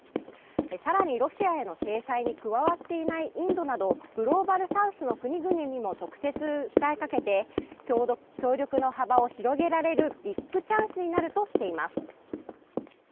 更にロシアへの制裁に加わっていないインドなどグローバルサウスの国へも直接、訴えかけて協力の幅を広げられるビッグチャンスになるとしています。